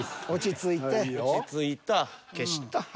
落ち着いた消した。